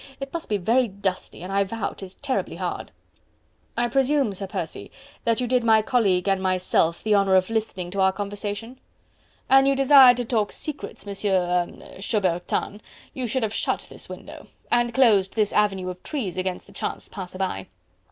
It must be very dusty, and I vow 'tis terribly hard..." "I presume, Sir Percy, that you did my colleague and myself the honour of listening to our conversation?" "An you desired to talk secrets, Monsieur... er... Chaubertin... you should have shut this window... and closed this avenue of trees against the chance passer by."